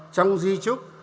trong duy trúc